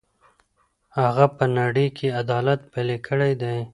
هغه په نړۍ کې عدالت پلی کړی دی.